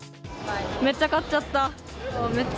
めっちゃ買っちゃった。